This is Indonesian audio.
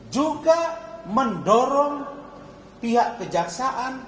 juga mendorong pihak kejaksaan